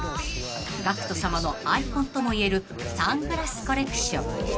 ［ＧＡＣＫＴさまのアイコンともいえるサングラスコレクション］